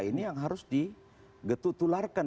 ini yang harus digetutularkan